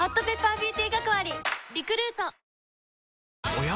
おや？